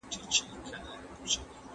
د کره کتني معیار له احساساتو ثابت وي.